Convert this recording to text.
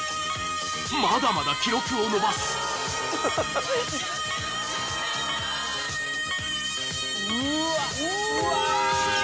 まだまだ記録を伸ばすうわうわうわ